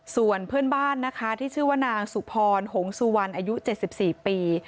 ส่วนเพื่อนบ้านนะคะที่ชื่อว่านางสุพรหงสุวรรณอายุ๗๔ปี